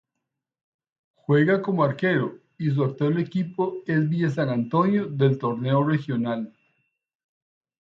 Juega como arquero y su actual equipo es Villa San Antonio del Torneo Regional.